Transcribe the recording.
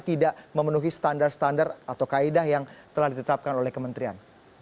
tidak memenuhi standar standar atau kaedah yang telah ditetapkan oleh kementerian